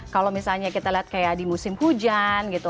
kalau misalnya kita lihat kayak di musim hujan gitu